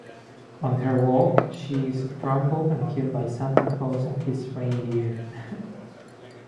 On her walk, she is trampled and killed by Santa Claus and his reindeer.